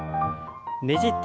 ねじって。